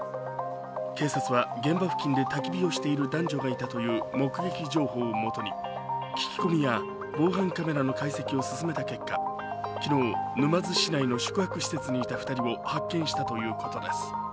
警察は現場付近でたき火をしている男女がいたという目撃情報をもとに聞き込みや防犯カメラの解析を進めた結果、昨日、沼津市の宿泊施設にいた２人を発見したということです。